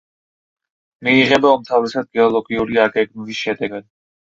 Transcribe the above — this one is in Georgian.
მიიღება უმთავრესად გეოლოგიური აგეგმვის შედეგად.